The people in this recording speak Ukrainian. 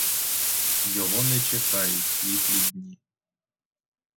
Його не чекають світлі дні.